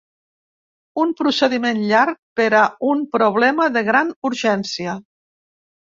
Un procediment llarg per a un problema de gran urgència.